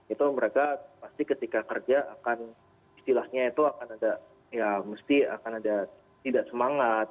itu mereka pasti ketika kerja akan istilahnya itu akan ada ya mesti akan ada tidak semangat